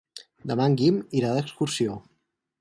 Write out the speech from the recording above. Demà en Guim irà d'excursió.